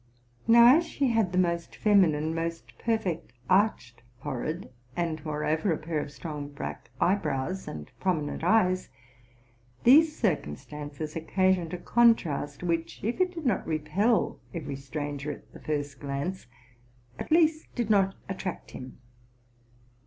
Now, as she had the most feminine, most perfect arched forehead, and, moreover, a pair of strong black eyebrows, and prominent eyes, these cir cumstances occasioned a contrast, which, if it did not repel every stranger at the first glance, at least did not attract him.